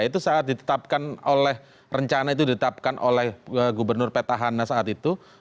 itu saat ditetapkan oleh rencana itu ditetapkan oleh gubernur petahana saat itu